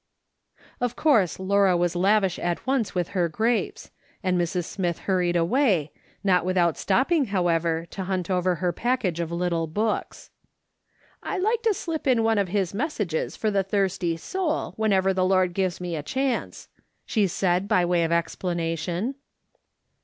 Of course Laura was lavish at once with her grapes, and Mrs. Smith hurried away, not without stopping, however, tu linnt over her package of little books. " I like to slip in one of his messages for the thirsty soul whenever the Lonl gives me a chance," she said, by way of explanation.